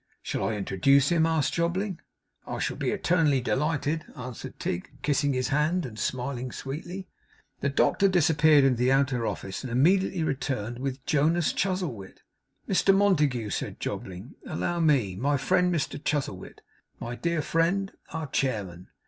'Shall I introduce him?' asked Jobling. 'I shall be eternally delighted,' answered Tigg, kissing his hand and smiling sweetly. The doctor disappeared into the outer office, and immediately returned with Jonas Chuzzlewit. 'Mr Montague,' said Jobling. 'Allow me. My friend Mr Chuzzlewit. My dear friend our chairman.